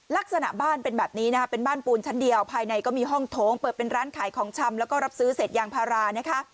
ลักษณะบ้านเป็นแบบนี้นะคะเป็นบ้านปูนชั้นเดียวภายในก็มีห้องโถงเปิดเป็นร้านขายของชำแล้วก็รับซื้อเศษยางพารานะคะ